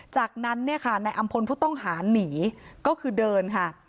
จากนั้นเนี่ยค่ะนายอำพลผู้ต้องหาหนีก็คือเดินค่ะ